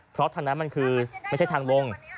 เพราะทางนั้นมันคือไม่ใช่ทางวง